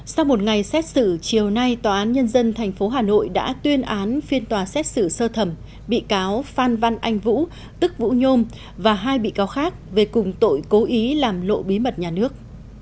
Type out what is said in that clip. sau một ngày xét xử chiều nay tòa án nhân dân tp hà nội đã tuyên án phiên tòa xét xử sơ thẩm bị cáo phan văn anh vũ tức vũ nhôm và hai bị cáo khác về cùng tội cố ý làm lộ bí mật nhà nước